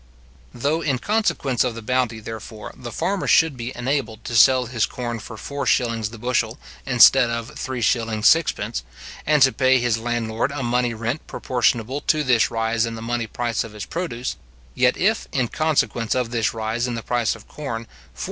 Though in consequence of the bounty, therefore, the farmer should be enabled to sell his corn for 4s. the bushel, instead of 3s:6d. and to pay his landlord a money rent proportionable to this rise in the money price of his produce; yet if, in consequence of this rise in the price of corn, 4s.